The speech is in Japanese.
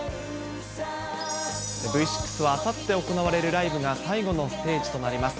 Ｖ６はあさって行われるライブが最後のステージとなります。